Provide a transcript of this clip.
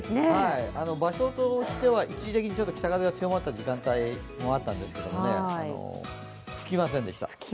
場所としては一時的に北風が強まった時間帯もあったんですけど、吹きませんでした。